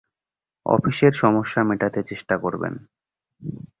অফিসের সমস্যা মেটাতে চেষ্টা করবেন।